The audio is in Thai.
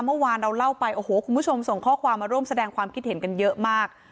เมื่อวานเราเล่าไปโอ้โหคุณผู้ชมส่งข้อความมาร่วมแสดงความคิดเห็นกันเยอะมาก